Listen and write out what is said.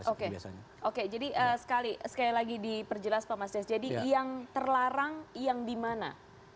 oke oke jadi sekali lagi diperjelas pak mas des jadi yang terlarang yang dimana